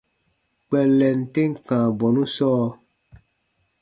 Kpɛllɛn tem kãa bɔnu sɔɔ.